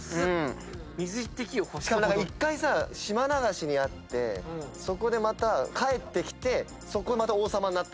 しかも１回さ島流しに遭ってそこでまた帰ってきてそこのまた王様になったんだよね。